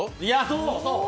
そう！